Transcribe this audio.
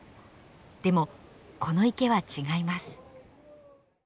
でもこの池は違います。